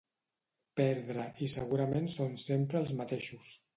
Perdre, i segurament són sempre els mateixos.